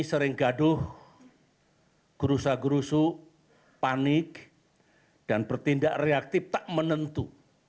sering gaduh gerusa gerusu panik dan bertindak reaktif tak menentu